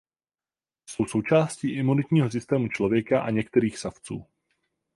Jsou součástí imunitního systému člověka a některých savců.